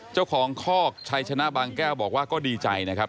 คอกชัยชนะบางแก้วบอกว่าก็ดีใจนะครับ